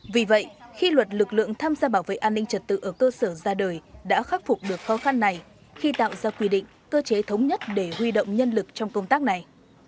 vì vậy khi luật lực lượng tham gia bảo vệ an ninh trật tự ở cơ sở ra đời đã khắc phục được khó khăn này khi tạo ra quy định cơ chế thống nhất để huy động nhân lực trong công tác này